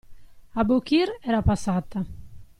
Abukir era passata.